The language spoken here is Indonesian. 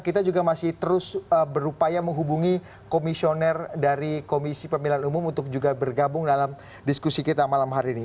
kita juga masih terus berupaya menghubungi komisioner dari komisi pemilihan umum untuk juga bergabung dalam diskusi kita malam hari ini